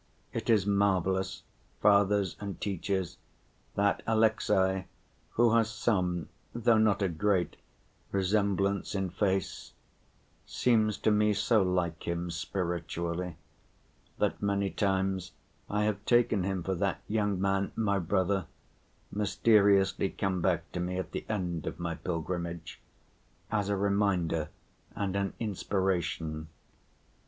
It is marvelous, fathers and teachers, that Alexey, who has some, though not a great, resemblance in face, seems to me so like him spiritually, that many times I have taken him for that young man, my brother, mysteriously come back to me at the end of my pilgrimage, as a reminder and an inspiration.